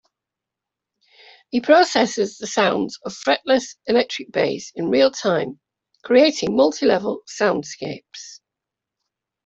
He processes the sounds of fretless electric bass in real time, creating multi-level soundscapes.